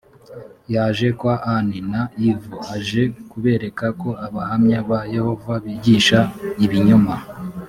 yaje kwa ani na ivo aje kubereka ko abahamya ba yehova bigisha ibinyoma